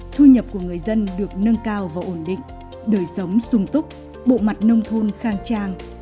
thu nhập của người dân được nâng cao và ổn định đời sống sung túc bộ mặt nông thôn khang trang